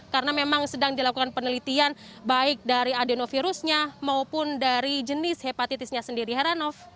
karena memang sedang dilakukan penelitian baik dari adenovirusnya maupun dari jenis hepatitisnya sendiri heranov